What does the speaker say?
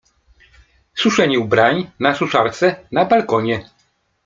Suszenie ubrań na suszarce na balkonie.